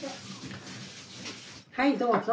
はいどうぞ。